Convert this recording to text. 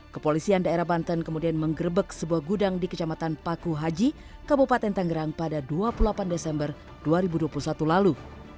kepolisian daerah banten kemudian menggerbek sebuah gudang di kecamatan paku haji kabupaten tangerang pada dua puluh delapan desember dua ribu dua puluh satu lalu